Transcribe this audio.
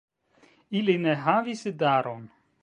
Ili ne havis idaron.